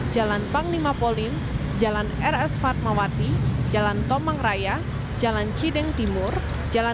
jalan panglima polim jalan rs fatmawati jalan tomang raya jalan cideng timur jalan